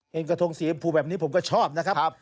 กระทงสีชมพูแบบนี้ผมก็ชอบนะครับ